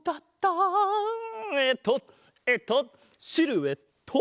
えっとえっとシルエット！